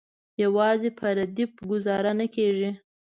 یوازې په ردیف ګوزاره نه کیږي.